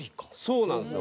そうなんですよ。